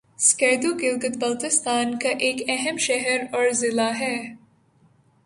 سکردو گلگت بلتستان کا ایک اہم شہر اور ضلع ہے